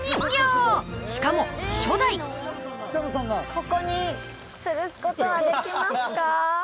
ここにつるすことはできますか？